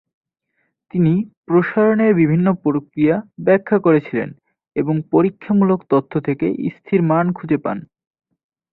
তিনি প্রসারণের বিভিন্ন প্রক্রিয়া ব্যাখ্যা করেছিলেন এবং পরীক্ষামূলক তথ্য থেকে স্থির মান খুঁজে পান।